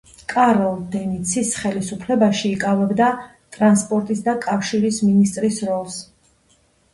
კარლ დენიცის ხელისუფლებაში იკავებდა ტრანსპორტის და კავშირის მინისტრის პოსტს.